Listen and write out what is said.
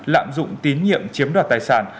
lạm dụng tín nhiệm chiếm đoạt tài sản